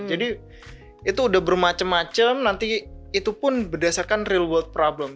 jadi itu udah bermacam macam nanti itu pun berdasarkan real world problem